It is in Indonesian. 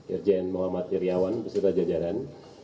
irjen muhammad iryawan beserta jajaran